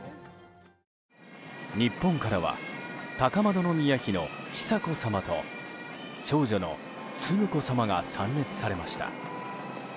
日本からは高円宮妃の久子さまと長女の承子さまが参列されました。